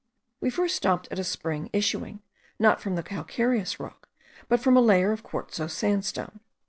We first stopped at a spring issuing, not from the calcareous rock, but from a layer of quartzose sandstone.